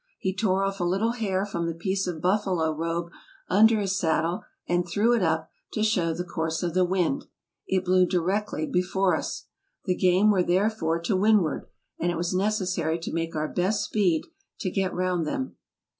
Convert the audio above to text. He tore off a little hair from the piece of buffalo robe under his saddle and threw it up, to show the course of the wind. It blew directly before us. The game were therefore to windward, and it was necessary to make our best speed to get round them.